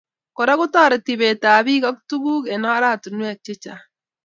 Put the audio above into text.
Kora kotoriti ibet ab bik ak tukuk eng oratinwek che chang'